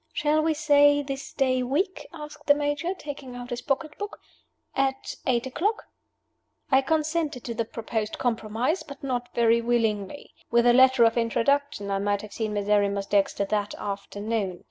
Shall we say this day week," asked the Major, taking out his pocketbook, "at eight o'clock?" I consented to the proposed compromise but not very willingly. With a letter of introduction, I might have seen Miserrimus Dexter that afternoon.